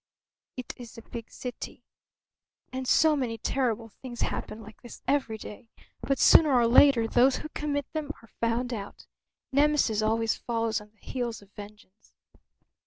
"It is a big city." "And so many terrible things happen like this every day. But sooner or later those who commit them are found out. Nemesis always follows on the heels of vengeance."